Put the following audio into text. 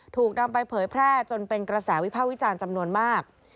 ถูกนำไปเผยแพร่จนเป็นกระแสวิภาควิจารณ์จำนวนมาก